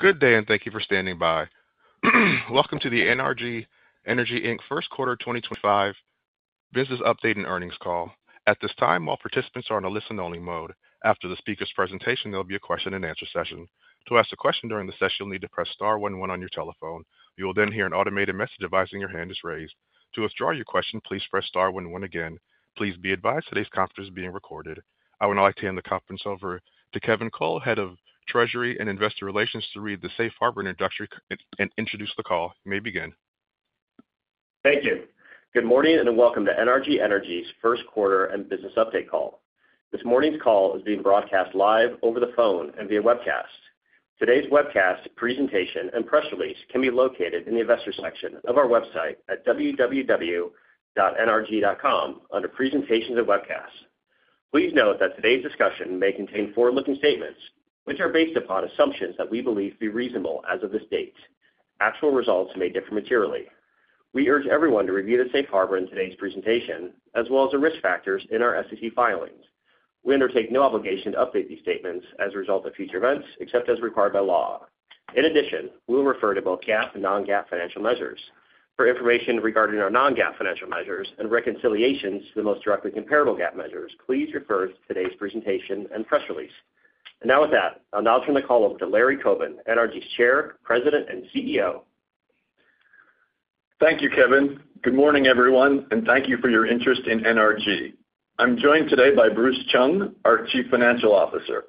Good day, and thank you for standing by. Welcome to the NRG Energy First Quarter 2025 Business Update and Earnings call. At this time, all participants are on a listen-only mode. After the speaker's presentation, there will be a question-and-answer session. To ask a question during the session, you'll need to press star 11 on your telephone. You will then hear an automated message advising your hand is raised. To withdraw your question, please press star 11 again. Please be advised today's conference is being recorded. I would now like to hand the conference over to Kevin Cole, Head of Treasury and Investor Relations, to read the Safe Harbor introductory and introduce the call. You may begin. Thank you. Good morning and welcome to NRG Energy's First Quarter and Business Update call. This morning's call is being broadcast live over the phone and via webcast. Today's webcast, presentation, and press release can be located in the investor section of our website at www.nrg.com under Presentations and Webcasts. Please note that today's discussion may contain forward-looking statements, which are based upon assumptions that we believe to be reasonable as of this date. Actual results may differ materially. We urge everyone to review the Safe Harbor and today's presentation, as well as the risk factors in our SEC filings. We undertake no obligation to update these statements as a result of future events, except as required by law. In addition, we will refer to both GAAP and non-GAAP financial measures. For information regarding our non-GAAP financial measures and reconciliations to the most directly comparable GAAP measures, please refer to today's presentation and press release. I will now turn the call over to Larry Coben, NRG's Chair, President, and CEO. Thank you, Kevin. Good morning, everyone, and thank you for your interest in NRG. I'm joined today by Bruce Chung, our Chief Financial Officer.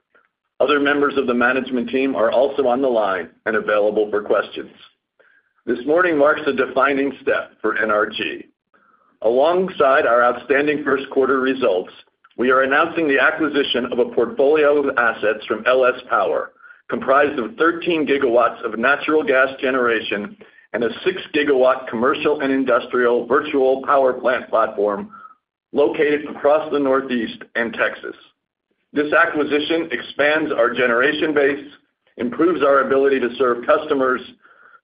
Other members of the management team are also on the line and available for questions. This morning marks a defining step for NRG. Alongside our outstanding first quarter results, we are announcing the acquisition of a portfolio of assets from LS Power, comprised of 13 GW of natural gas generation and a 6 GW commercial and industrial virtual power plant platform located across the Northeast and Texas. This acquisition expands our generation base, improves our ability to serve customers,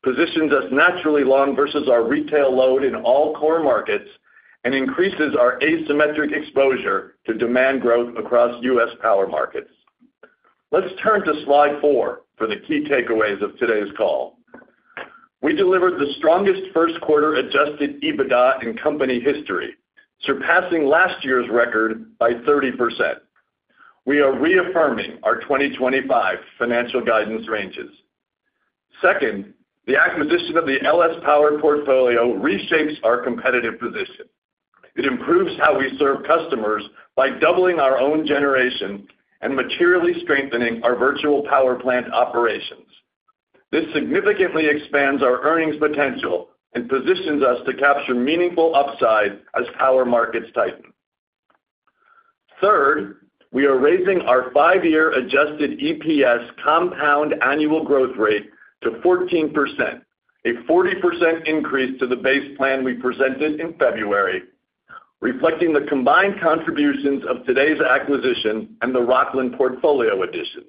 positions us naturally long versus our retail load in all core markets, and increases our asymmetric exposure to demand growth across U.S. power markets. Let's turn to slide four for the key takeaways of today's call. We delivered the strongest first quarter adjusted EBITDA in company history, surpassing last year's record by 30%. We are reaffirming our 2025 financial guidance ranges. Second, the acquisition of the LS Power portfolio reshapes our competitive position. It improves how we serve customers by doubling our own generation and materially strengthening our virtual power plant operations. This significantly expands our earnings potential and positions us to capture meaningful upside as power markets tighten. Third, we are raising our five-year adjusted EPS compound annual growth rate to 14%, a 40% increase to the base plan we presented in February, reflecting the combined contributions of today's acquisition and the Rocklin portfolio addition.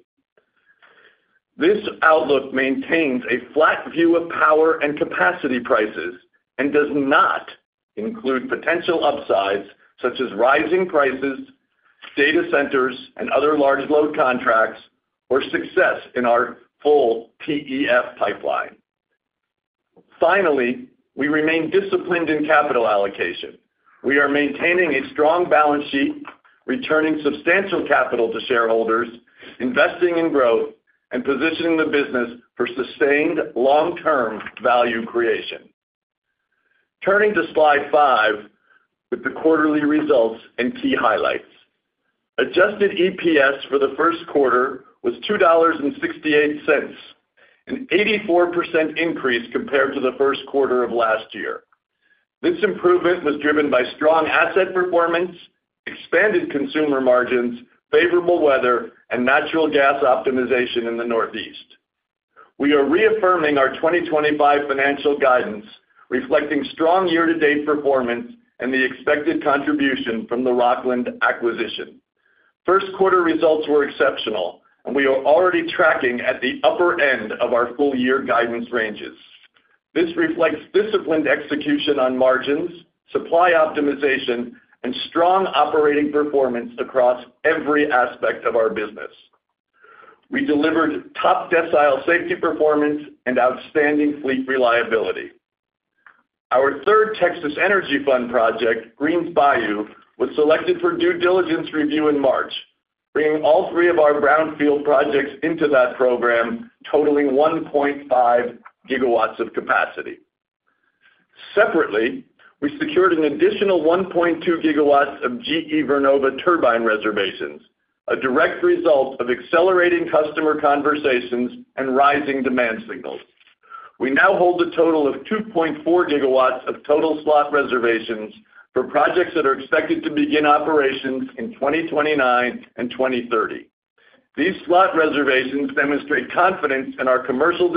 This outlook maintains a flat view of power and capacity prices and does not include potential upsides such as rising prices, data centers, and other large load contracts, or success in our full PEF pipeline. Finally, we remain disciplined in capital allocation. We are maintaining a strong balance sheet, returning substantial capital to shareholders, investing in growth, and positioning the business for sustained long-term value creation. Turning to slide five with the quarterly results and key highlights. Adjusted EPS for the first quarter was $2.68, an 84% increase compared to the first quarter of last year. This improvement was driven by strong asset performance, expanded consumer margins, favorable weather, and natural gas optimization in the Northeast. We are reaffirming our 2025 financial guidance, reflecting strong year-to-date performance and the expected contribution from the Rocklin acquisition. First quarter results were exceptional, and we are already tracking at the upper end of our full-year guidance ranges. This reflects disciplined execution on margins, supply optimization, and strong operating performance across every aspect of our business. We delivered top decile safety performance and outstanding fleet reliability. Our third Texas Energy Fund project, Greens Bayou, was selected for due diligence review in March, bringing all three of our brownfield projects into that program, totaling 1.5 GW of capacity. Separately, we secured an additional 1.2 GW of GE Vernova turbine reservations, a direct result of accelerating customer conversations and rising demand signals. We now hold a total of 2.4 GW of total slot reservations for projects that are expected to begin operations in 2029 and 2030. These slot reservations demonstrate confidence in our commercial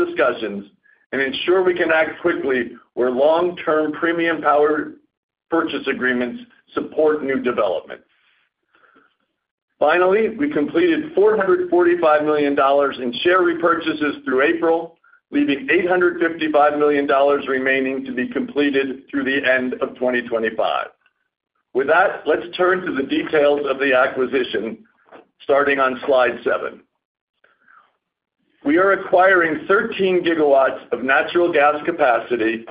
discussions and ensure we can act quickly where long-term premium power purchase agreements support new developments. Finally, we completed $445 million in share repurchases through April, leaving $855 million remaining to be completed through the end of 2025. With that, let's turn to the details of the acquisition, starting on slide seven. We are acquiring 13 GW of natural gas capacity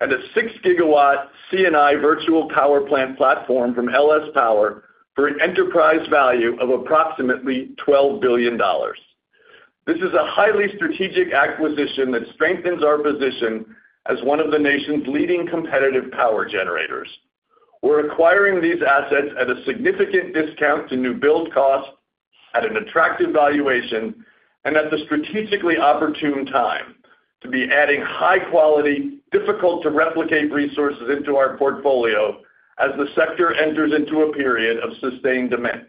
and a 6 GW C&I virtual power plant platform from LS Power for an enterprise value of approximately $12 billion. This is a highly strategic acquisition that strengthens our position as one of the nation's leading competitive power generators. We're acquiring these assets at a significant discount to new build costs, at an attractive valuation, and at the strategically opportune time to be adding high-quality, difficult-to-replicate resources into our portfolio as the sector enters into a period of sustained demand.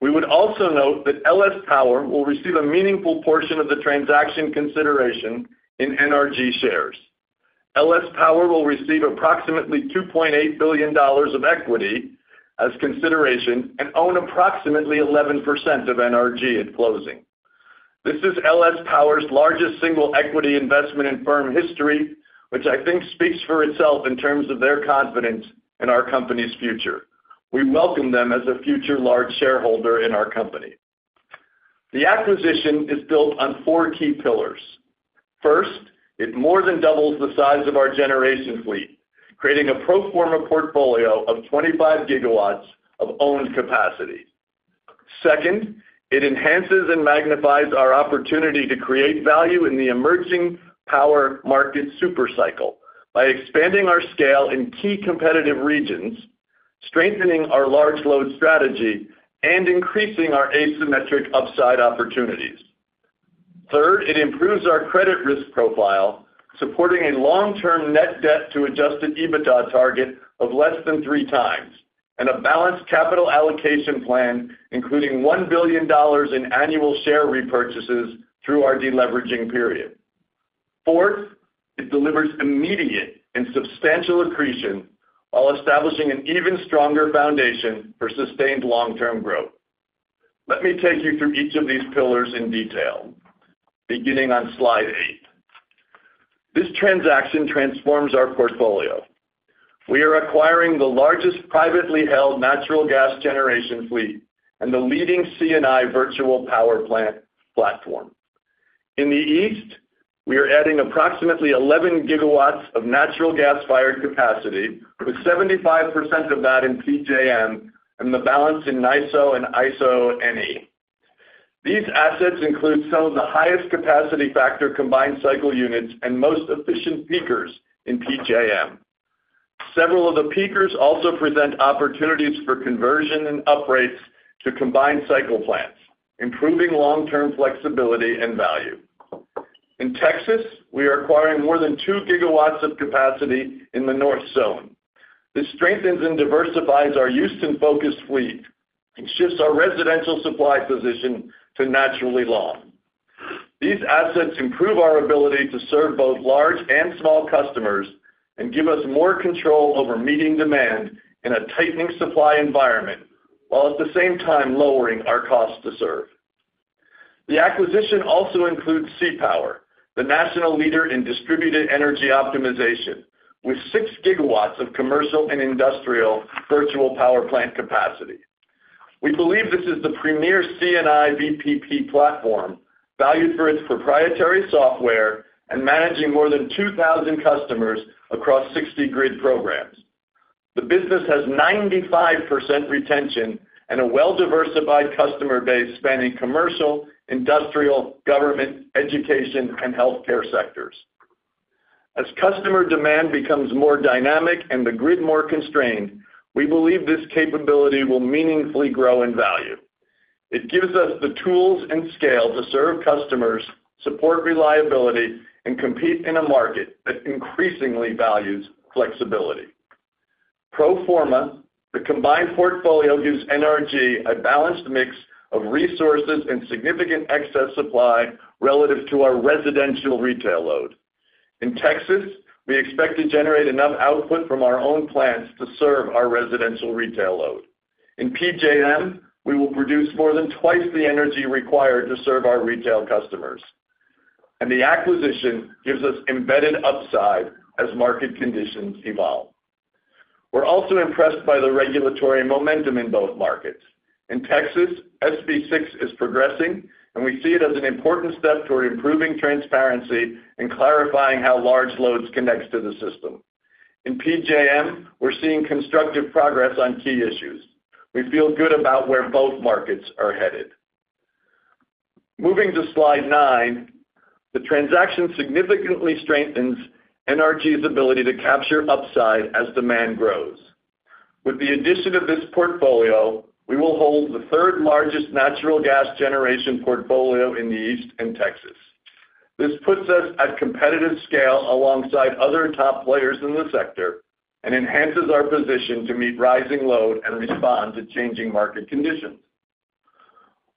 We would also note that LS Power will receive a meaningful portion of the transaction consideration in NRG shares. LS Power will receive approximately $2.8 billion of equity as consideration and own approximately 11% of NRG at closing. This is LS Power's largest single equity investment in firm history, which I think speaks for itself in terms of their confidence in our company's future. We welcome them as a future large shareholder in our company. The acquisition is built on four key pillars. First, it more than doubles the size of our generation fleet, creating a pro forma portfolio of 25 GW of owned capacity. Second, it enhances and magnifies our opportunity to create value in the emerging power market supercycle by expanding our scale in key competitive regions, strengthening our large load strategy, and increasing our asymmetric upside opportunities. Third, it improves our credit risk profile, supporting a long-term net debt-to-adjusted EBITDA target of less than three times and a balanced capital allocation plan, including $1 billion in annual share repurchases through our deleveraging period. Fourth, it delivers immediate and substantial accretion while establishing an even stronger foundation for sustained long-term growth. Let me take you through each of these pillars in detail, beginning on slide eight. This transaction transforms our portfolio. We are acquiring the largest privately held natural gas generation fleet and the leading C&I virtual power plant platform. In the East, we are adding approximately 11 GW of natural gas-fired capacity, with 75% of that in PJM and the balance in NYISO and ISO-NE. These assets include some of the highest capacity factor combined cycle units and most efficient peakers in PJM. Several of the peakers also present opportunities for conversion and uprates to combined cycle plants, improving long-term flexibility and value. In Texas, we are acquiring more than 2 GW of capacity in the North Zone. This strengthens and diversifies our Houston-focused fleet and shifts our residential supply position to naturally long. These assets improve our ability to serve both large and small customers and give us more control over meeting demand in a tightening supply environment, while at the same time lowering our cost to serve. The acquisition also includes CPower, the national leader in distributed energy optimization, with 6 GW of commercial and industrial virtual power plant capacity. We believe this is the premier C&I VPP platform, valued for its proprietary software and managing more than 2,000 customers across 60 grid programs. The business has 95% retention and a well-diversified customer base spanning commercial, industrial, government, education, and healthcare sectors. As customer demand becomes more dynamic and the grid more constrained, we believe this capability will meaningfully grow in value. It gives us the tools and scale to serve customers, support reliability, and compete in a market that increasingly values flexibility. Pro forma, the combined portfolio gives NRG a balanced mix of resources and significant excess supply relative to our residential retail load. In Texas, we expect to generate enough output from our own plants to serve our residential retail load. In PJM, we will produce more than twice the energy required to serve our retail customers. The acquisition gives us embedded upside as market conditions evolve. We are also impressed by the regulatory momentum in both markets. In Texas, SB6 is progressing, and we see it as an important step toward improving transparency and clarifying how large loads connect to the system. In PJM, we are seeing constructive progress on key issues. We feel good about where both markets are headed. Moving to slide nine, the transaction significantly strengthens NRG's ability to capture upside as demand grows. With the addition of this portfolio, we will hold the third largest natural gas generation portfolio in the East and Texas. This puts us at competitive scale alongside other top players in the sector and enhances our position to meet rising load and respond to changing market conditions.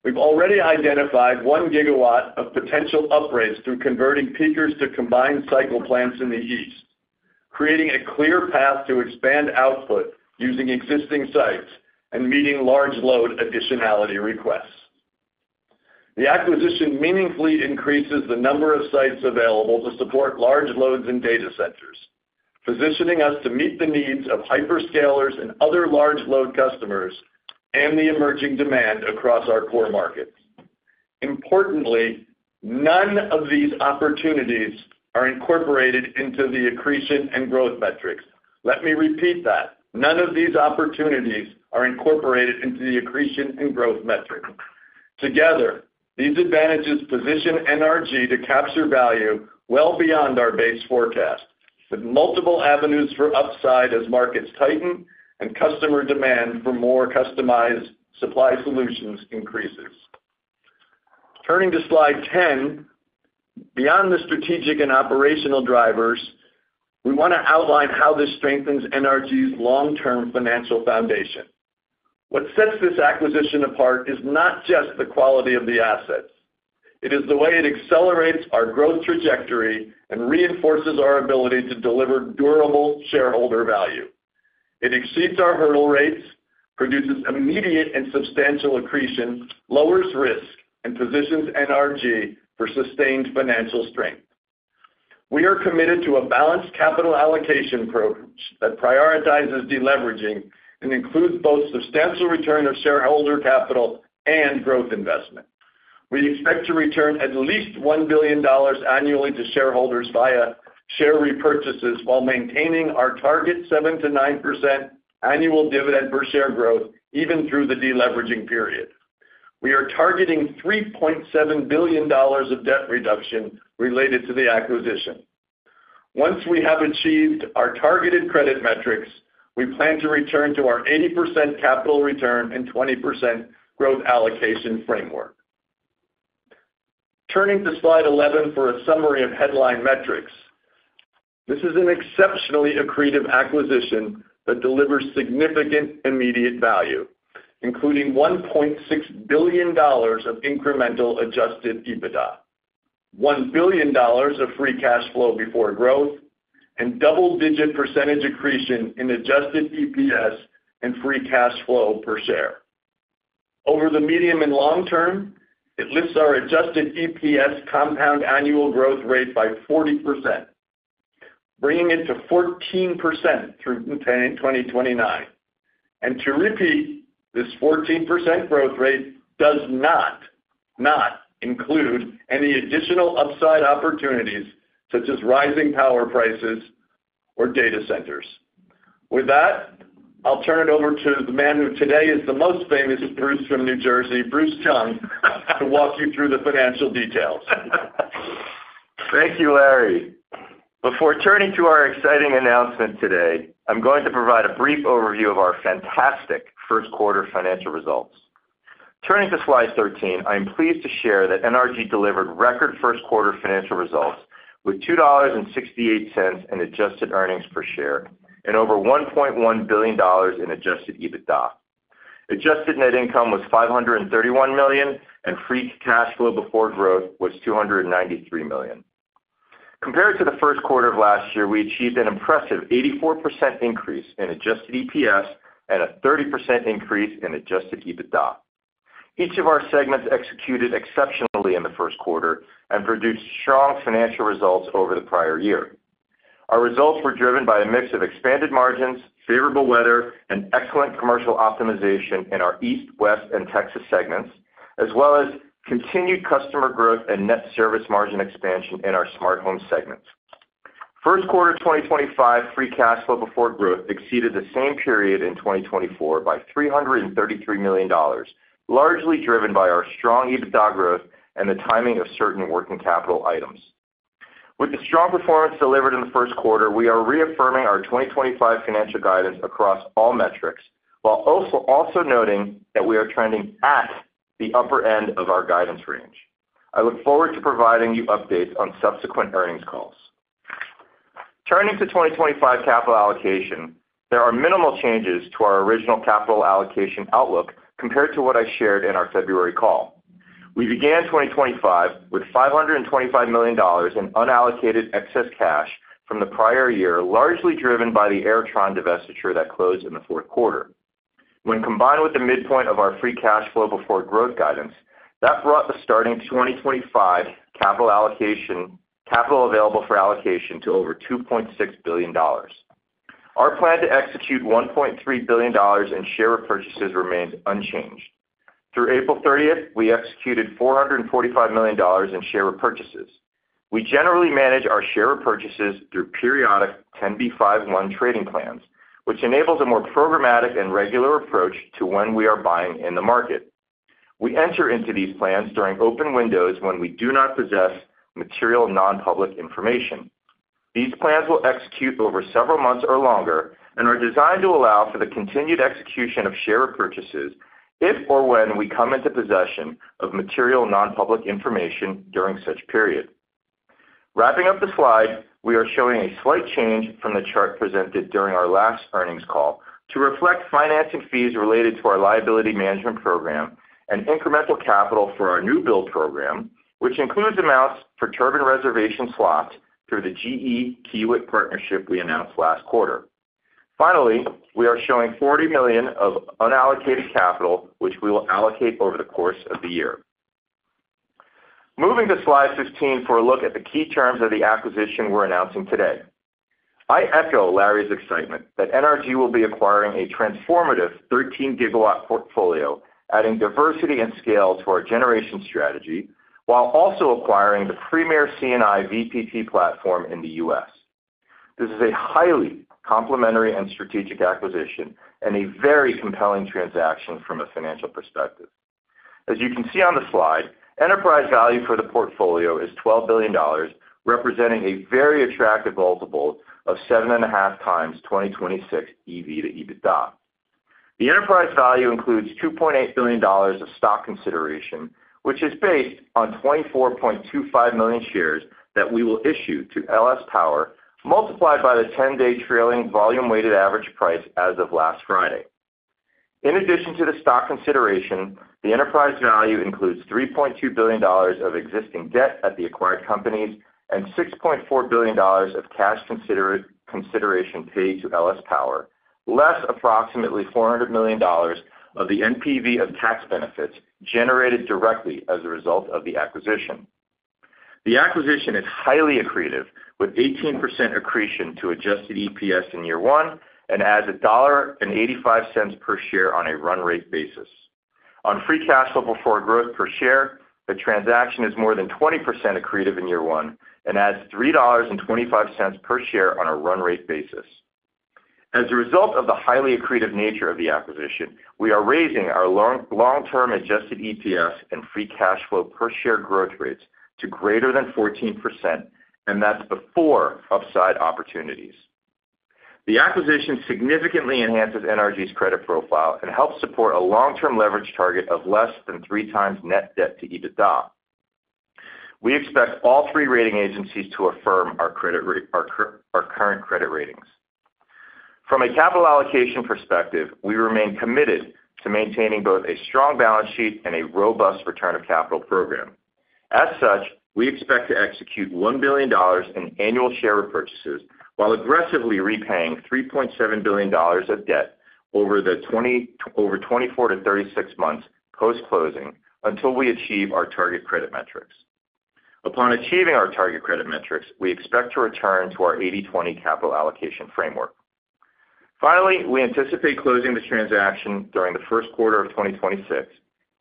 We've already identified 1 GW of potential uprates through converting peakers to combined cycle plants in the East, creating a clear path to expand output using existing sites and meeting large load additionality requests. The acquisition meaningfully increases the number of sites available to support large loads and data centers, positioning us to meet the needs of hyperscalers and other large load customers and the emerging demand across our core markets. Importantly, none of these opportunities are incorporated into the accretion and growth metrics. Let me repeat that. None of these opportunities are incorporated into the accretion and growth metrics. Together, these advantages position NRG to capture value well beyond our base forecast, with multiple avenues for upside as markets tighten and customer demand for more customized supply solutions increases. Turning to slide 10, beyond the strategic and operational drivers, we want to outline how this strengthens NRG's long-term financial foundation. What sets this acquisition apart is not just the quality of the assets. It is the way it accelerates our growth trajectory and reinforces our ability to deliver durable shareholder value. It exceeds our hurdle rates, produces immediate and substantial accretion, lowers risk, and positions NRG for sustained financial strength. We are committed to a balanced capital allocation approach that prioritizes deleveraging and includes both substantial return of shareholder capital and growth investment. We expect to return at least $1 billion annually to shareholders via share repurchases while maintaining our target 7-9% annual dividend per share growth, even through the deleveraging period. We are targeting $3.7 billion of debt reduction related to the acquisition. Once we have achieved our targeted credit metrics, we plan to return to our 80% capital return and 20% growth allocation framework. Turning to slide 11 for a summary of headline metrics. This is an exceptionally accretive acquisition that delivers significant immediate value, including $1.6 billion of incremental adjusted EBITDA, $1 billion of free cash flow before growth, and double-digit percentage accretion in adjusted EPS and free cash flow per share. Over the medium and long term, it lifts our adjusted EPS compound annual growth rate by 40%, bringing it to 14% through 2029. To repeat, this 14% growth rate does not, not include any additional upside opportunities such as rising power prices or data centers. With that, I'll turn it over to the man who today is the most famous, Bruce from New Jersey, Bruce Chung, to walk you through the financial details. Thank you, Larry. Before turning to our exciting announcement today, I'm going to provide a brief overview of our fantastic first quarter financial results. Turning to slide 13, I'm pleased to share that NRG delivered record first quarter financial results with $2.68 in adjusted earnings per share and over $1.1 billion in adjusted EBITDA. Adjusted net income was $531 million, and free cash flow before growth was $293 million. Compared to the first quarter of last year, we achieved an impressive 84% increase in adjusted EPS and a 30% increase in adjusted EBITDA. Each of our segments executed exceptionally in the first quarter and produced strong financial results over the prior year. Our results were driven by a mix of expanded margins, favorable weather, and excellent commercial optimization in our east, west, and Texas segments, as well as continued customer growth and net service margin expansion in our smart home segments. First quarter 2025 free cash flow before growth exceeded the same period in 2024 by $333 million, largely driven by our strong EBITDA growth and the timing of certain working capital items. With the strong performance delivered in the first quarter, we are reaffirming our 2025 financial guidance across all metrics, while also noting that we are trending at the upper end of our guidance range. I look forward to providing you updates on subsequent earnings calls. Turning to 2025 capital allocation, there are minimal changes to our original capital allocation outlook compared to what I shared in our February call. We began 2025 with $525 million in unallocated excess cash from the prior year, largely driven by the Airtron divestiture that closed in the fourth quarter. When combined with the midpoint of our free cash flow before growth guidance, that brought the starting 2025 capital available for allocation to over $2.6 billion. Our plan to execute $1.3 billion in share repurchases remains unchanged. Through April 30, we executed $445 million in share repurchases. We generally manage our share repurchases through periodic 10b5-1 trading plans, which enables a more programmatic and regular approach to when we are buying in the market. We enter into these plans during open windows when we do not possess material nonpublic information. These plans will execute over several months or longer and are designed to allow for the continued execution of share repurchases if or when we come into possession of material nonpublic information during such period. Wrapping up the slide, we are showing a slight change from the chart presented during our last earnings call to reflect financing fees related to our liability management program and incremental capital for our new build program, which includes amounts for turbine reservation slots through the GE Vernova-Kiewit partnership we announced last quarter. Finally, we are showing $40 million of unallocated capital, which we will allocate over the course of the year. Moving to slide 15 for a look at the key terms of the acquisition we are announcing today. I echo Larry's excitement that NRG will be acquiring a transformative 13 GW portfolio, adding diversity and scale to our generation strategy, while also acquiring the premier C&I VPP platform in the US. This is a highly complementary and strategic acquisition and a very compelling transaction from a financial perspective. As you can see on the slide, enterprise value for the portfolio is $12 billion, representing a very attractive multiple of 7.5 times 2026 EV to EBITDA. The enterprise value includes $2.8 billion of stock consideration, which is based on 24.25 million shares that we will issue to LS Power, multiplied by the 10-day trailing volume-weighted average price as of last Friday. In addition to the stock consideration, the enterprise value includes $3.2 billion of existing debt at the acquired companies and $6.4 billion of cash consideration paid to LS Power, less approximately $400 million of the NPV of tax benefits generated directly as a result of the acquisition. The acquisition is highly accretive, with 18% accretion to adjusted EPS in year one and adds $1.85 per share on a run rate basis. On free cash level for growth per share, the transaction is more than 20% accretive in year one and adds $3.25 per share on a run rate basis. As a result of the highly accretive nature of the acquisition, we are raising our long-term adjusted EPS and free cash flow per share growth rates to greater than 14%, and that's before upside opportunities. The acquisition significantly enhances NRG's credit profile and helps support a long-term leverage target of less than three times net debt to EBITDA. We expect all three rating agencies to affirm our current credit ratings. From a capital allocation perspective, we remain committed to maintaining both a strong balance sheet and a robust return of capital program. As such, we expect to execute $1 billion in annual share repurchases while aggressively repaying $3.7 billion of debt over 24-36 months post-closing until we achieve our target credit metrics. Upon achieving our target credit metrics, we expect to return to our 80/20 capital allocation framework. Finally, we anticipate closing the transaction during the first quarter of 2026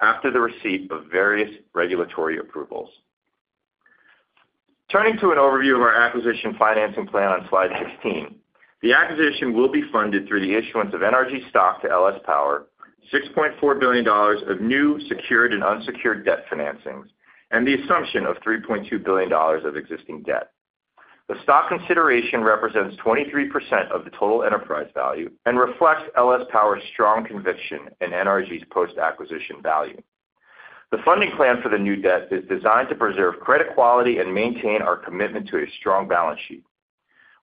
after the receipt of various regulatory approvals. Turning to an overview of our acquisition financing plan on slide 16, the acquisition will be funded through the issuance of NRG stock to LS Power, $6.4 billion of new secured and unsecured debt financings, and the assumption of $3.2 billion of existing debt. The stock consideration represents 23% of the total enterprise value and reflects LS Power's strong conviction in NRG's post-acquisition value. The funding plan for the new debt is designed to preserve credit quality and maintain our commitment to a strong balance sheet.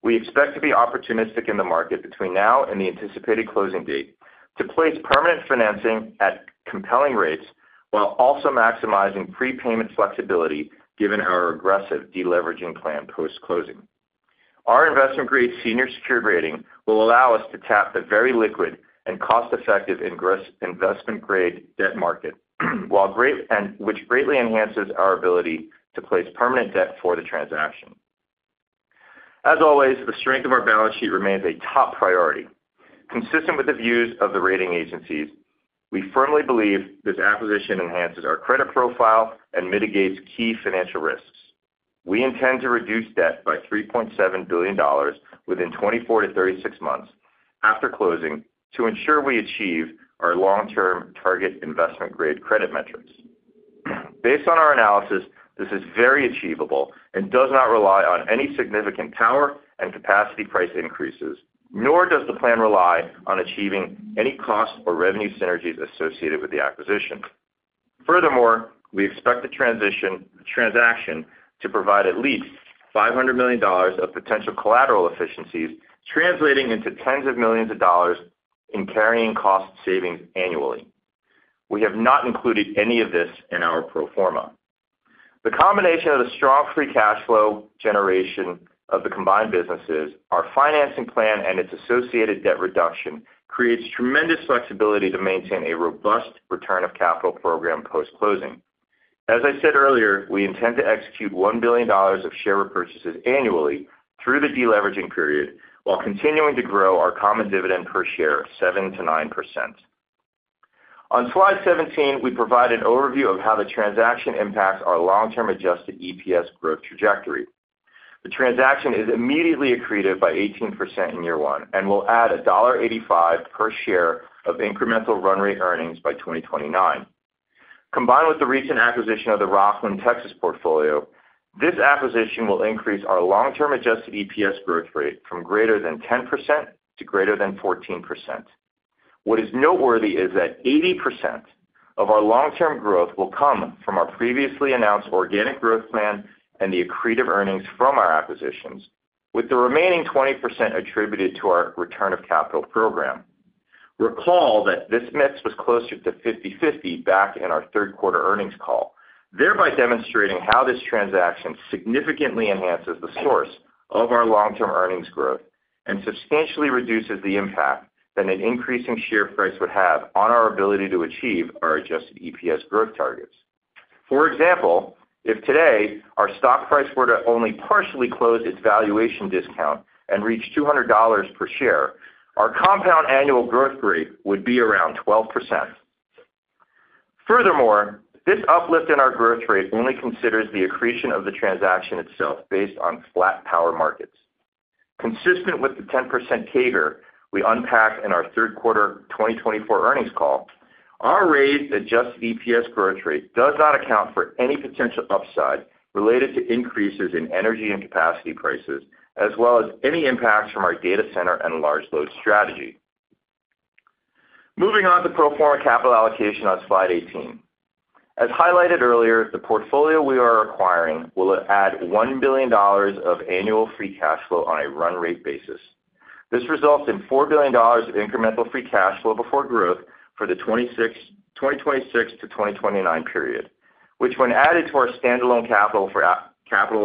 We expect to be opportunistic in the market between now and the anticipated closing date to place permanent financing at compelling rates while also maximizing prepayment flexibility given our aggressive deleveraging plan post-closing. Our investment-grade senior secure rating will allow us to tap the very liquid and cost-effective investment-grade debt market, which greatly enhances our ability to place permanent debt for the transaction. As always, the strength of our balance sheet remains a top priority. Consistent with the views of the rating agencies, we firmly believe this acquisition enhances our credit profile and mitigates key financial risks. We intend to reduce debt by $3.7 billion within 24-36 months after closing to ensure we achieve our long-term target investment-grade credit metrics. Based on our analysis, this is very achievable and does not rely on any significant power and capacity price increases, nor does the plan rely on achieving any cost or revenue synergies associated with the acquisition. Furthermore, we expect the transaction to provide at least $500 million of potential collateral efficiencies, translating into tens of millions of dollars in carrying cost savings annually. We have not included any of this in our pro forma. The combination of the strong free cash flow generation of the combined businesses, our financing plan, and its associated debt reduction creates tremendous flexibility to maintain a robust return of capital program post-closing. As I said earlier, we intend to execute $1 billion of share repurchases annually through the deleveraging period while continuing to grow our common dividend per share 7-9%. On slide 17, we provide an overview of how the transaction impacts our long-term adjusted EPS growth trajectory. The transaction is immediately accretive by 18% in year one and will add $1.85 per share of incremental run rate earnings by 2029. Combined with the recent acquisition of the Rockland, Texas portfolio, this acquisition will increase our long-term adjusted EPS growth rate from greater than 10% to greater than 14%. What is noteworthy is that 80% of our long-term growth will come from our previously announced organic growth plan and the accretive earnings from our acquisitions, with the remaining 20% attributed to our return of capital program. Recall that this mix was closer to 50/50 back in our third quarter earnings call, thereby demonstrating how this transaction significantly enhances the source of our long-term earnings growth and substantially reduces the impact that an increasing share price would have on our ability to achieve our adjusted EPS growth targets. For example, if today our stock price were to only partially close its valuation discount and reach $200 per share, our compound annual growth rate would be around 12%. Furthermore, this uplift in our growth rate only considers the accretion of the transaction itself based on flat power markets. Consistent with the 10% CAGR we unpacked in our third quarter 2024 earnings call, our raised adjusted EPS growth rate does not account for any potential upside related to increases in energy and capacity prices, as well as any impacts from our data center and large load strategy. Moving on to pro forma capital allocation on slide 18. As highlighted earlier, the portfolio we are acquiring will add $1 billion of annual free cash flow on a run rate basis. This results in $4 billion of incremental free cash flow before growth for the 2026-2029 period, which, when added to our standalone capital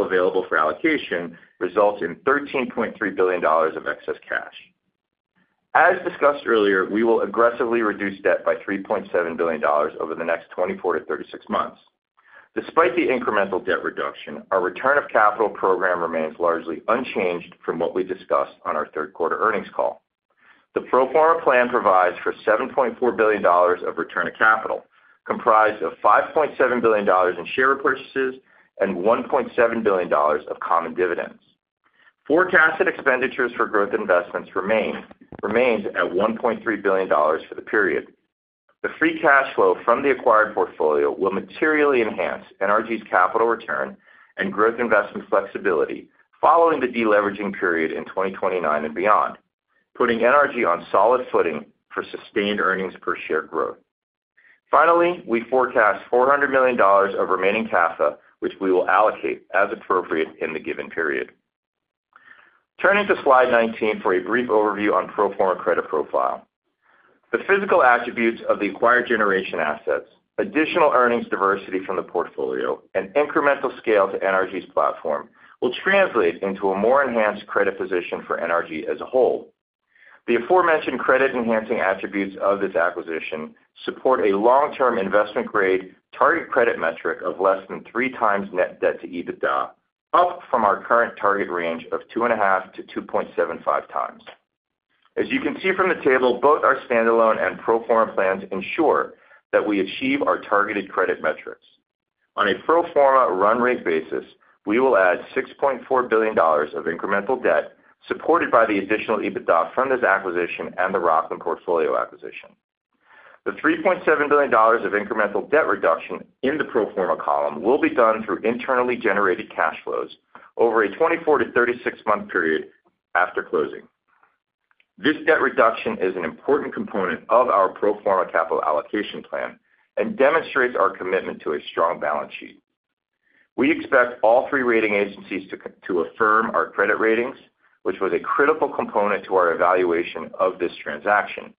available for allocation, results in $13.3 billion of excess cash. As discussed earlier, we will aggressively reduce debt by $3.7 billion over the next 24-36 months. Despite the incremental debt reduction, our return of capital program remains largely unchanged from what we discussed on our third quarter earnings call. The pro forma plan provides for $7.4 billion of return of capital, comprised of $5.7 billion in share repurchases and $1.7 billion of common dividends. Forecasted expenditures for growth investments remains at $1.3 billion for the period. The free cash flow from the acquired portfolio will materially enhance NRG's capital return and growth investment flexibility following the deleveraging period in 2029 and beyond, putting NRG on solid footing for sustained earnings per share growth. Finally, we forecast $400 million of remaining CAFA, which we will allocate as appropriate in the given period. Turning to slide 19 for a brief overview on pro forma credit profile. The physical attributes of the acquired generation assets, additional earnings diversity from the portfolio, and incremental scale to NRG's platform will translate into a more enhanced credit position for NRG as a whole. The aforementioned credit-enhancing attributes of this acquisition support a long-term investment-grade target credit metric of less than three times net debt to EBITDA, up from our current target range of 2.5-2.75 times. As you can see from the table, both our standalone and pro forma plans ensure that we achieve our targeted credit metrics. On a pro forma run rate basis, we will add $6.4 billion of incremental debt supported by the additional EBITDA from this acquisition and the Rocklin portfolio acquisition. The $3.7 billion of incremental debt reduction in the pro forma column will be done through internally generated cash flows over a 24-36 month period after closing. This debt reduction is an important component of our pro forma capital allocation plan and demonstrates our commitment to a strong balance sheet. We expect all three rating agencies to affirm our credit ratings, which was a critical component to our evaluation of this transaction.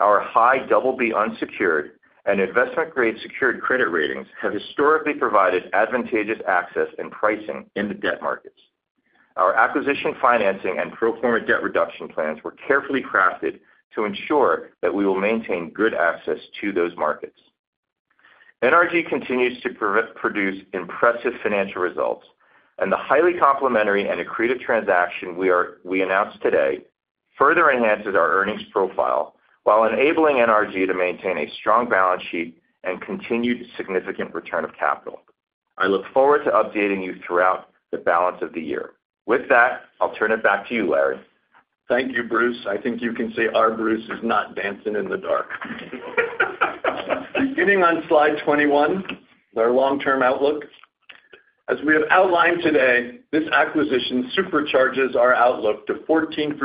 Our high double B unsecured and investment-grade secured credit ratings have historically provided advantageous access and pricing in the debt markets. Our acquisition financing and pro forma debt reduction plans were carefully crafted to ensure that we will maintain good access to those markets. NRG continues to produce impressive financial results, and the highly complementary and accretive transaction we announced today further enhances our earnings profile while enabling NRG to maintain a strong balance sheet and continued significant return of capital. I look forward to updating you throughout the balance of the year. With that, I'll turn it back to you, Larry. Thank you, Bruce. I think you can see our Bruce is not dancing in the dark. Beginning on slide 21, our long-term outlook. As we have outlined today, this acquisition supercharges our outlook to 14%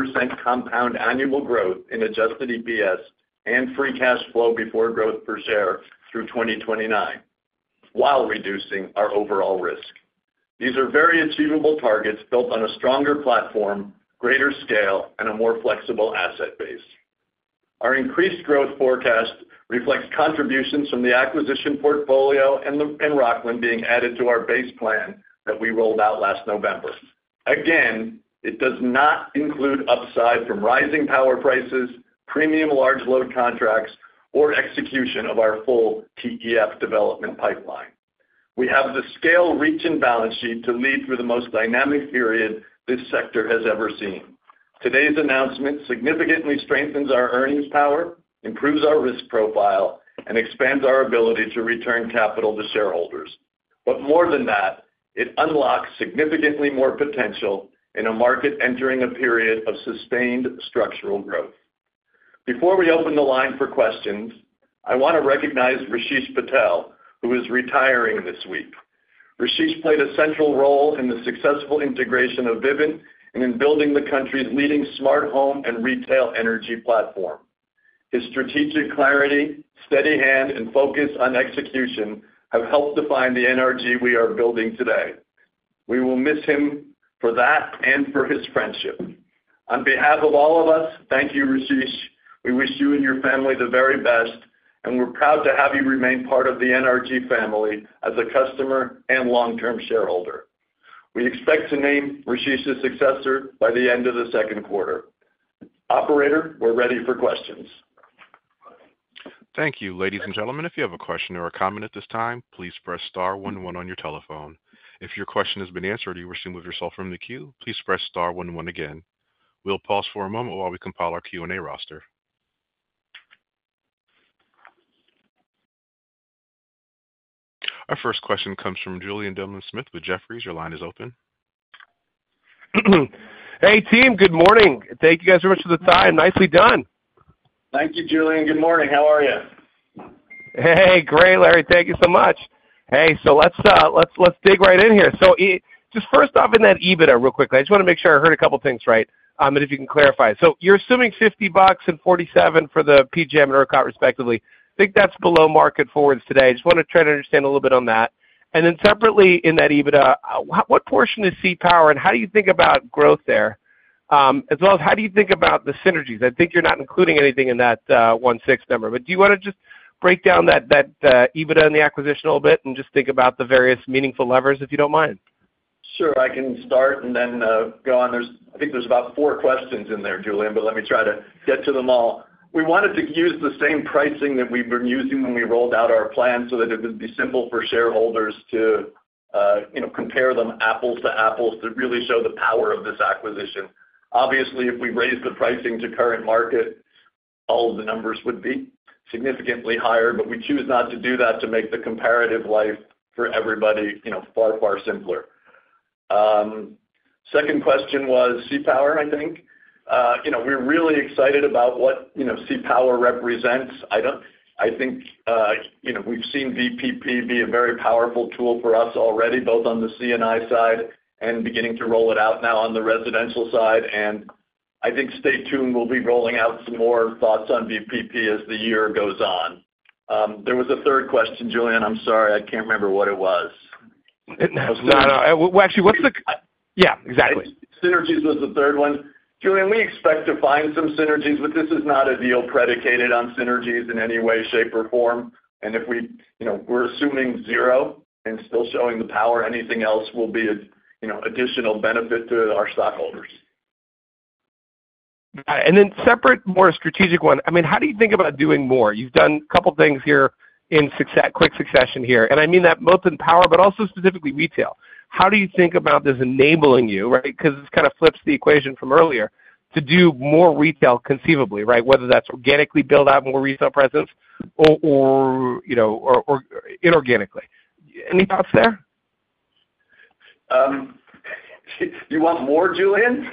compound annual growth in adjusted EPS and free cash flow before growth per share through 2029, while reducing our overall risk. These are very achievable targets built on a stronger platform, greater scale, and a more flexible asset base. Our increased growth forecast reflects contributions from the acquisition portfolio and Rocklin being added to our base plan that we rolled out last November. Again, it does not include upside from rising power prices, premium large load contracts, or execution of our full TEF development pipeline. We have the scale, reach, and balance sheet to lead through the most dynamic period this sector has ever seen. Today's announcement significantly strengthens our earnings power, improves our risk profile, and expands our ability to return capital to shareholders. More than that, it unlocks significantly more potential in a market entering a period of sustained structural growth. Before we open the line for questions, I want to recognize Rasesh Patel, who is retiring this week. Rashish played a central role in the successful integration of Vivint and in building the country's leading smart home and retail energy platform. His strategic clarity, steady hand, and focus on execution have helped define the NRG we are building today. We will miss him for that and for his friendship. On behalf of all of us, thank you, Rashish. We wish you and your family the very best, and we're proud to have you remain part of the NRG family as a customer and long-term shareholder. We expect to name Rashish's successor by the end of the second quarter. Operator, we're ready for questions. Thank you. Ladies and gentlemen, if you have a question or a comment at this time, please press star 11 on your telephone. If your question has been answered or you wish to remove yourself from the queue, please press star 11 again. We'll pause for a moment while we compile our Q&A roster. Our first question comes from Julien Dumoulin-Smith with Jefferies. Your line is open. Hey, team. Good morning. Thank you guys so much for the time. Nicely done. Thank you, Julien. Good morning. How are you? Hey, great, Larry. Thank you so much. Hey, so let's dig right in here. Just first off in that EBITDA real quickly, I just want to make sure I heard a couple of things right and if you can clarify. You're assuming $50 and $47 for the PJM and ERCOT, respectively. I think that's below market forwards today. I just want to try to understand a little bit on that. Separately, in that EBITDA, what portion is CPower and how do you think about growth there? As well as how do you think about the synergies? I think you're not including anything in that 16 number, but do you want to just break down that EBITDA and the acquisition a little bit and just think about the various meaningful levers if you don't mind? Sure. I can start and then go on. I think there's about four questions in there, Julien, but let me try to get to them all. We wanted to use the same pricing that we've been using when we rolled out our plan so that it would be simple for shareholders to compare them apples to apples to really show the power of this acquisition. Obviously, if we raised the pricing to current market, all of the numbers would be significantly higher, but we choose not to do that to make the comparative life for everybody far, far simpler. Second question was CPower, I think. We're really excited about what CPower represents. I think we've seen VPP be a very powerful tool for us already, both on the C&I side and beginning to roll it out now on the residential side. I think stay tuned. We'll be rolling out some more thoughts on VPP as the year goes on. There was a third question, Julien. I'm sorry. I can't remember what it was. No, no. Yeah, exactly. Synergies was the third one. Julian, we expect to find some synergies, but this is not a deal predicated on synergies in any way, shape, or form. If we're assuming zero and still showing the power, anything else will be an additional benefit to our stockholders. Then separate, more strategic one. I mean, how do you think about doing more? You've done a couple of things here in quick succession here. I mean that both in power, but also specifically retail. How do you think about this enabling you, right? Because it kind of flips the equation from earlier to do more retail conceivably, right? Whether that's organically build out more retail presence or inorganically. Any thoughts there? You want more, Julian?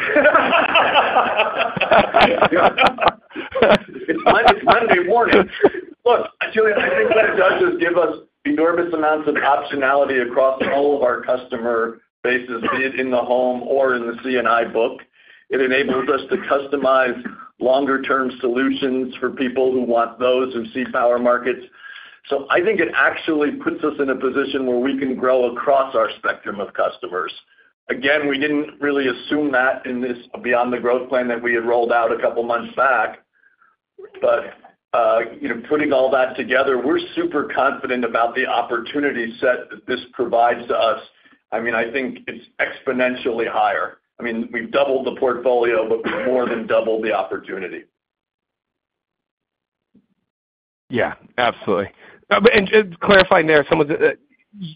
It's Monday morning. Look, Julian, I think that it does just give us enormous amounts of optionality across all of our customer bases, be it in the home or in the C&I book. It enables us to customize longer-term solutions for people who want those in CPower markets. I think it actually puts us in a position where we can grow across our spectrum of customers. Again, we did not really assume that in this beyond the growth plan that we had rolled out a couple of months back, but putting all that together, we are super confident about the opportunity set that this provides to us. I mean, I think it is exponentially higher. I mean, we have doubled the portfolio, but we have more than doubled the opportunity. Yeah, absolutely. Clarifying there,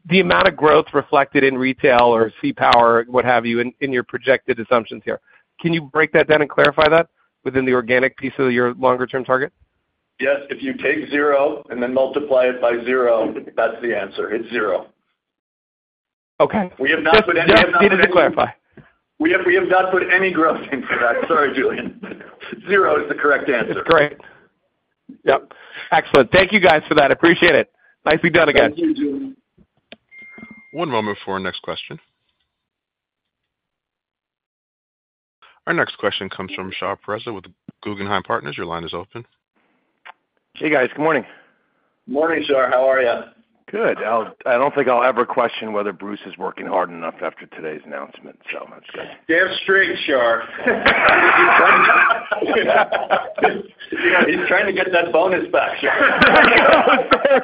the amount of growth reflected in retail or CPower, what have you, in your projected assumptions here, can you break that down and clarify that within the organic piece of your longer-term target? Yes. If you take zero and then multiply it by zero, that is the answer. It is zero. Okay. We have not put any—I just needed to clarify. We have not put any growth into that. Sorry, Julien. Zero is the correct answer. Great. Yep. Excellent. Thank you, guys, for that. I appreciate it. Nicely done again. Thank you, Julien. One moment for our next question. Our next question comes from Shar Pourreza with Guggenheim Partners. Your line is open. Hey, guys. Good morning. Good morning, Shar. How are you? Good. I do not think I will ever question whether Bruce is working hard enough after today's announcement, so that is good. Damn straight, Shar. He's trying to get that bonus back, Shar. There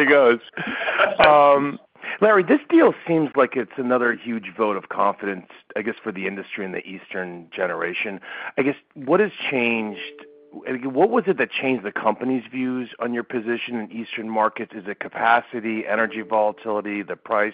he goes. There he goes. Larry, this deal seems like it's another huge vote of confidence, I guess, for the industry and the Eastern generation. I guess, what has changed? What was it that changed the company's views on your position in Eastern markets? Is it capacity, energy volatility, the price?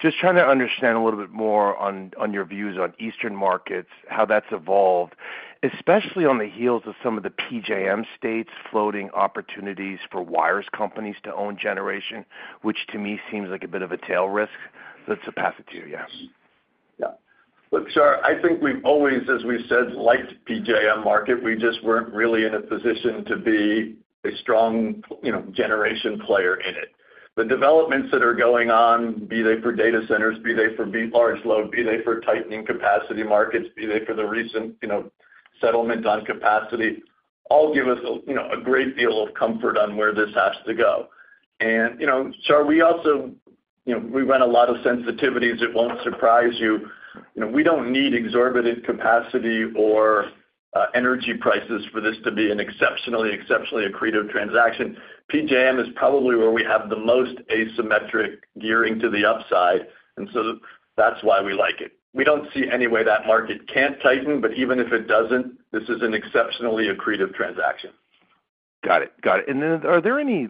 Just trying to understand a little bit more on your views on Eastern markets, how that's evolved, especially on the heels of some of the PJM states floating opportunities for wires companies to own generation, which to me seems like a bit of a tail risk. That's a pass it to you. Yeah. Yeah. Look, Shar, I think we've always, as we've said, liked the PJM market. We just weren't really in a position to be a strong generation player in it. The developments that are going on, be they for data centers, be they for large load, be they for tightening capacity markets, be they for the recent settlement on capacity, all give us a great deal of comfort on where this has to go. Shar, we also—we run a lot of sensitivities. It won't surprise you. We don't need exorbitant capacity or energy prices for this to be an exceptionally, exceptionally accretive transaction. PJM is probably where we have the most asymmetric gearing to the upside, and that is why we like it. We do not see any way that market cannot tighten, but even if it does not, this is an exceptionally accretive transaction. Got it. Got it. Are there any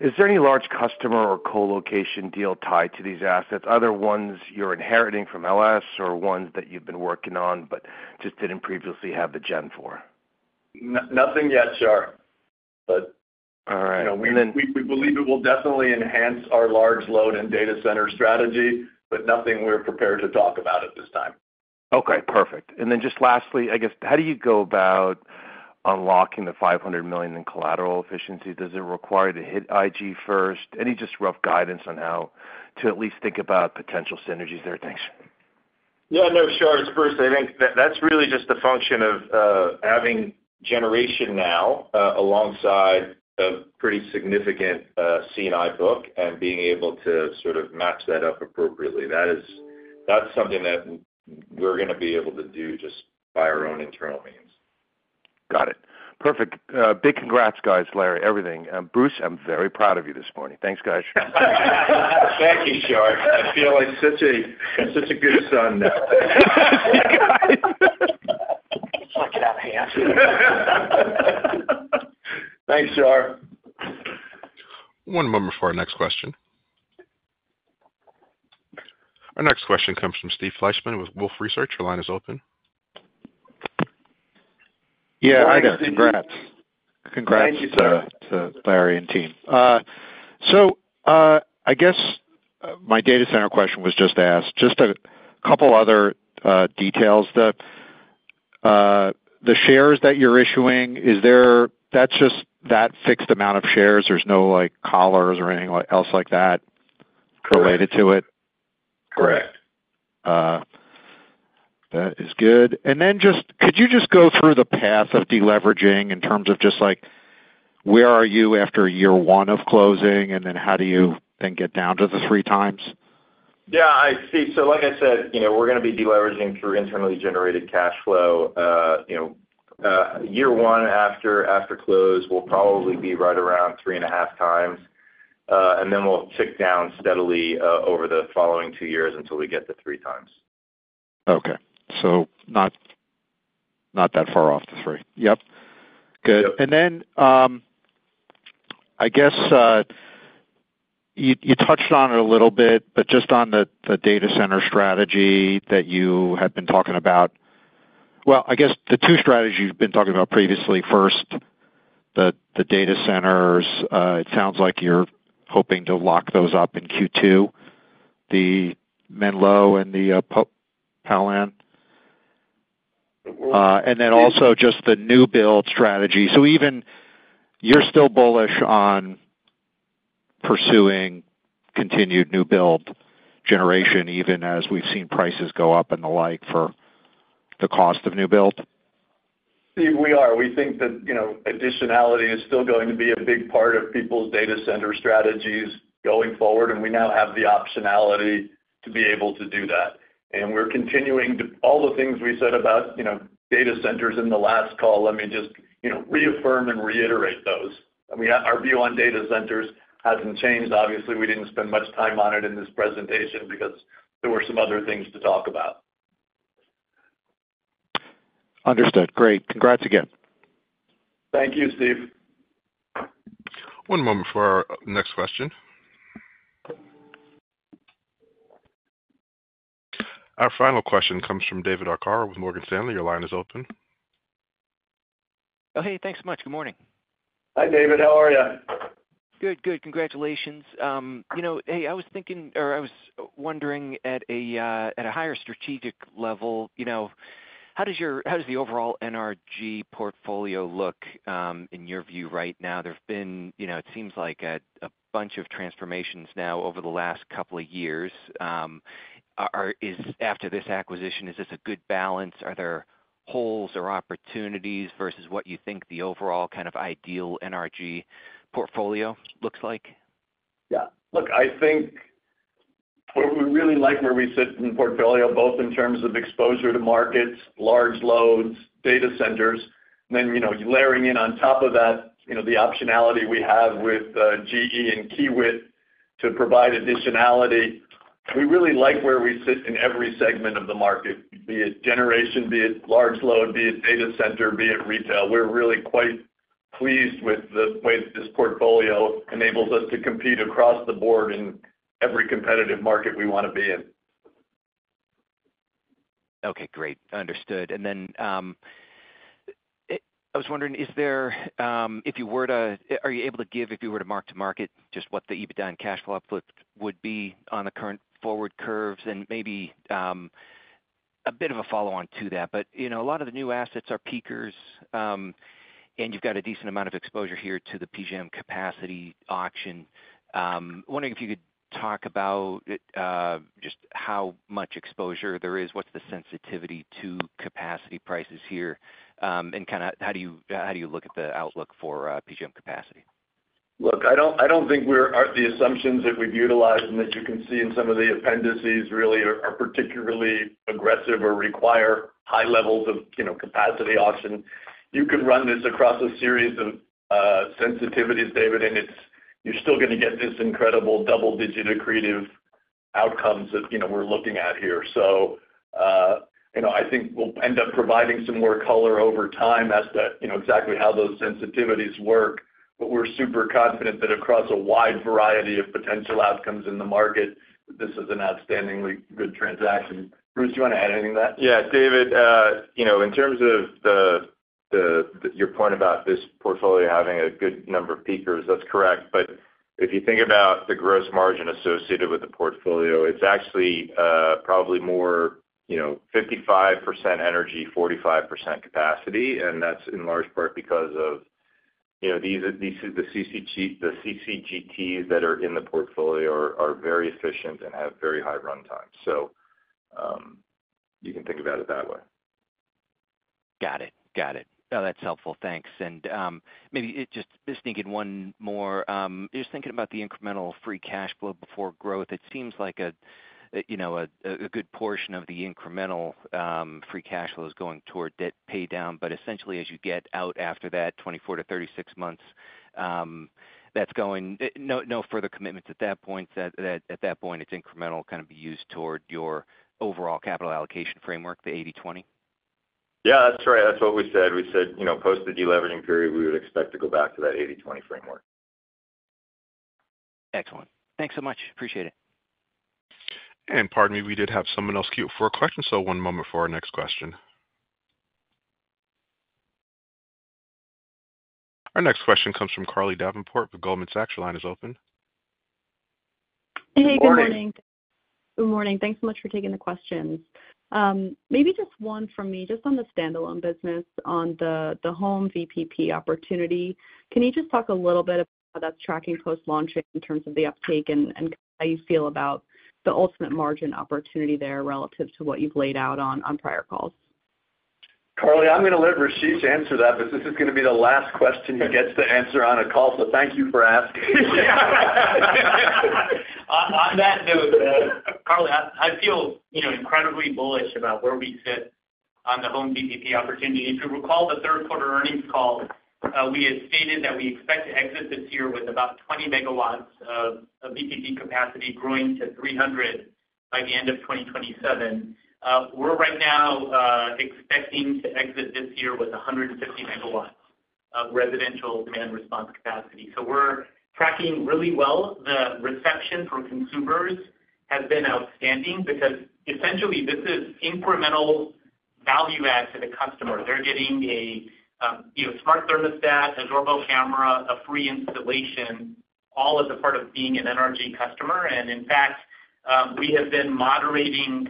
large—is there any large customer or co-location deal tied to these assets? Are there ones you're inheriting from LS or ones that you've been working on but just didn't previously have the gen four. Nothing yet, Shar. But we believe it will definitely enhance our large load and data center strategy, but nothing we're prepared to talk about at this time. Okay. Perfect. And then just lastly, I guess, how do you go about unlocking the $500 million in collateral efficiency? Does it require to hit IG first? Any just rough guidance on how to at least think about potential synergies there? Yeah. No, Shar, it's Bruce. I think that's really just a function of having generation now alongside a pretty significant C&I book and being able to sort of match that up appropriately. That's something that we're going to be able to do just by our own internal means. Got it. Perfect. Big congrats, guys, Larry. Everything. Bruce, I'm very proud of you this morning. Thanks, guys. Thank you, Shar. I feel like such a good son now. Let's work it out, man. Thanks, Shar. One moment for our next question. Our next question comes from Steve Fleishman with Wolfe Research. Your line is open. Yeah, I know. Congrats. Congrats to Larry and team. I guess my data center question was just asked. Just a couple of other details. The shares that you're issuing, is that just that fixed amount of shares? There's no collars or anything else like that related to it? Correct. That is good. Could you just go through the path of deleveraging in terms of just where are you after year one of closing, and then how do you then get down to the three times? Yeah. I see. Like I said, we're going to be deleveraging through internally generated cash flow. Year one after close, we'll probably be right around 3.5 times, and then we'll tick down steadily over the following two years until we get to 3 times. Okay. Not that far off the 3. Yep. Good. I guess you touched on it a little bit, but just on the data center strategy that you have been talking about. I guess the two strategies you've been talking about previously. First, the data centers. It sounds like you're hoping to lock those up in Q2, the Menlo and the Powell. Also, just the new build strategy. Even you're still bullish on pursuing continued new build generation, even as we've seen prices go up and the like for the cost of new build? We are. We think that additionality is still going to be a big part of people's data center strategies going forward, and we now have the optionality to be able to do that. We're continuing to—all the things we said about data centers in the last call, let me just reaffirm and reiterate those. I mean, our view on data centers hasn't changed. Obviously, we didn't spend much time on it in this presentation because there were some other things to talk about. Understood. Great. Congrats again. Thank you, Steve. One moment for our next question. Our final question comes from David Arcaro with Morgan Stanley. Your line is open. Oh, hey. Thanks so much. Good morning. Hi, David. How are you? Good. Good. Congratulations. Hey, I was thinking or I was wondering at a higher strategic level, how does the overall NRG portfolio look in your view right now? There have been, it seems like, a bunch of transformations now over the last couple of years. After this acquisition, is this a good balance? Are there holes or opportunities versus what you think the overall kind of ideal NRG portfolio looks like? Yeah. Look, I think we really like where we sit in portfolio, both in terms of exposure to markets, large loads, data centers. And then layering in on top of that, the optionality we have with GE and Kiewit to provide additionality. We really like where we sit in every segment of the market, be it generation, be it large load, be it data center, be it retail. We're really quite pleased with the way that this portfolio enables us to compete across the board in every competitive market we want to be in. Okay. Great. Understood. If you were to—are you able to give, if you were to mark to market, just what the EBITDA and cash flow uplift would be on the current forward curves? Maybe a bit of a follow-on to that, but a lot of the new assets are peakers, and you've got a decent amount of exposure here to the PJM capacity auction. Wondering if you could talk about just how much exposure there is, what's the sensitivity to capacity prices here, and kind of how do you look at the outlook for PJM capacity? Look, I don't think the assumptions that we've utilized and that you can see in some of the appendices really are particularly aggressive or require high levels of capacity auction. You can run this across a series of sensitivities, David, and you're still going to get this incredible double-digit accretive outcomes that we're looking at here. I think we'll end up providing some more color over time as to exactly how those sensitivities work, but we're super confident that across a wide variety of potential outcomes in the market, this is an outstandingly good transaction. Bruce, do you want to add anything to that? Yeah. David, in terms of your point about this portfolio having a good number of peakers, that's correct. If you think about the gross margin associated with the portfolio, it's actually probably more 55% energy, 45% capacity. That's in large part because the CCGTs that are in the portfolio are very efficient and have very high runtime. You can think about it that way. Got it. Got it. No, that's helpful. Thanks. Maybe just thinking one more, just thinking about the incremental free cash flow before growth, it seems like a good portion of the incremental free cash flow is going toward debt paydown. Essentially, as you get out after that 24-36 months, that's going—no further commitments at that point. At that point, it's incremental, kind of be used toward your overall capital allocation framework, the 80/20? Yeah, that's right. That's what we said. We said post the deleveraging period, we would expect to go back to that 80/20 framework. Excellent. Thanks so much. Appreciate it. Pardon me, we did have someone else cue for a question. One moment for our next question. Our next question comes from Carly Davenport with Goldman Sachs. Your line is open. Hey. Good morning. Good morning. Thanks so much for taking the questions. Maybe just one from me, just on the standalone business, on the home VPP opportunity. Can you just talk a little bit about how that's tracking post-launching in terms of the uptake and how you feel about the ultimate margin opportunity there relative to what you've laid out on prior calls? Carly, I'm going to let Rashid answer that, but this is going to be the last question he gets to answer on a call, so thank you for asking. On that note, Carly, I feel incredibly bullish about where we sit on the home VPP opportunity. If you recall the third-quarter earnings call, we had stated that we expect to exit this year with about 20 MW of VPP capacity growing to 300 by the end of 2027. We're right now expecting to exit this year with 150 MW of residential demand response capacity. So we're tracking really well. The reception from consumers has been outstanding because essentially this is incremental value add to the customer. They're getting a smart thermostat, a doorbell camera, a free installation, all as a part of being an NRG customer. In fact, we have been moderating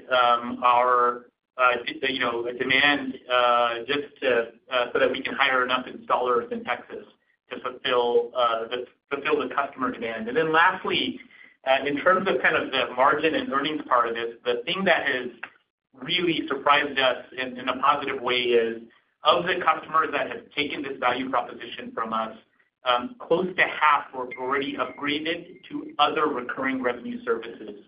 our demand just so that we can hire enough installers in Texas to fulfill the customer demand. Lastly, in terms of kind of the margin and earnings part of this, the thing that has really surprised us in a positive way is of the customers that have taken this value proposition from us, close to half were already upgraded to other recurring revenue services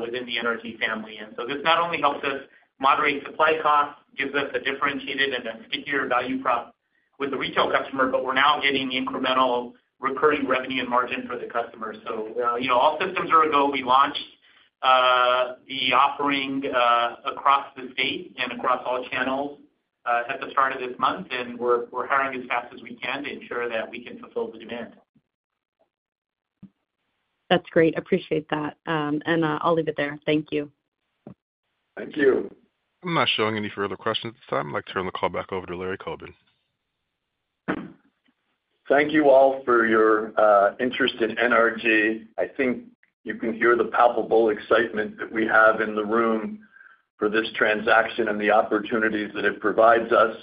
within the NRG family. This not only helps us moderate supply costs, gives us a differentiated and a stickier value prop with the retail customer, but we're now getting incremental recurring revenue and margin for the customer. All systems are a go. We launched the offering across the state and across all channels at the start of this month, and we're hiring as fast as we can to ensure that we can fulfill the demand. That's great. Appreciate that. I'll leave it there. Thank you. Thank you. I'm not showing any further questions at this time. I'd like to turn the call back over to Larry Coben. Thank you all for your interest in NRG. I think you can hear the palpable excitement that we have in the room for this transaction and the opportunities that it provides us.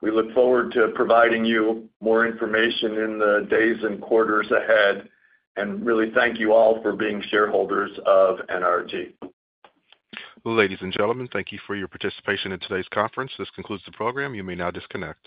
We look forward to providing you more information in the days and quarters ahead. Really, thank you all for being shareholders of NRG. Ladies and gentlemen, thank you for your participation in today's conference. This concludes the program. You may now disconnect.